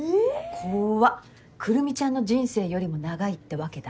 こわっくるみちゃんの人生よりも長いってわけだ。